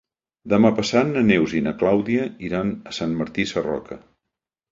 Demà passat na Neus i na Clàudia iran a Sant Martí Sarroca.